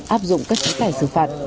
áp dụng các chế tài xử phạt